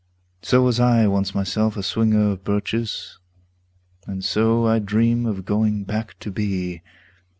So was I once myself a swinger of birches. And so I dream of going back to be.